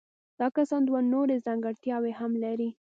دا کسان دوه نورې ځانګړتیاوې هم لري.